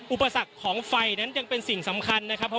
อุปสรรคของไฟนั้นยังเป็นสิ่งสำคัญอยู่พื้นที่นี้